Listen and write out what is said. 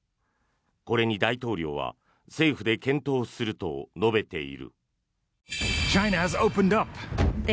これに大統領は政府で検討すると述べている。